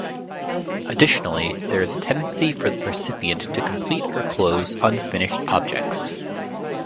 Additionally, there is a tendency for the percipient to complete or close unfinished objects.